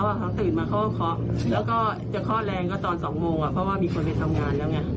ว่าเขาตื่นมาเขาก็เคาะแล้วก็จะเคาะแรงก็ตอน๒โมงเพราะว่ามีคนไปทำงานแล้วไง